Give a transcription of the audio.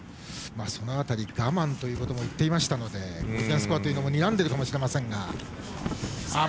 その辺り、我慢ということも言っていましたのでゴールデンスコアというのもにらんでいるかもしれませんが。